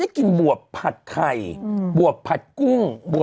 แต่อาจจะส่งมาแต่อาจจะส่งมา